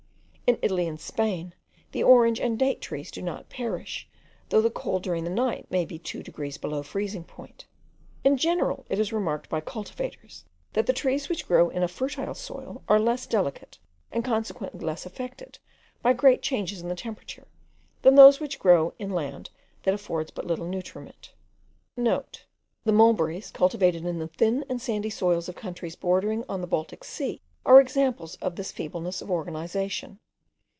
In Italy and Spain the orange and date trees do not perish, though the cold during the night may be two degrees below freezing point. In general it is remarked by cultivators, that the trees which grow in a fertile soil are less delicate, and consequently less affected by great changes in the temperature, than those which grow in land that affords but little nutriment.* (* The mulberries, cultivated in the thin and sandy soils of countries bordering on the Baltic Sea, are examples of this feebleness of organization.